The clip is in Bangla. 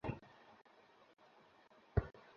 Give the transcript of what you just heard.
থাকলেও আমি কিছু মনে করতাম নাহ।